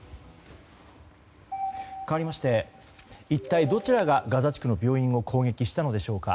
かわりまして一体どちらがガザ地区の病院を攻撃したのでしょうか。